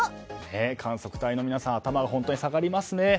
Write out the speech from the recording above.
観測隊の皆さん頭が本当に下がりますね。